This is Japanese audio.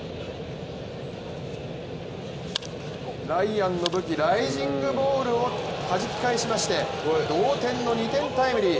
ライアンの武器ライジングボールをはじき返しまして同点の２点タイムリー。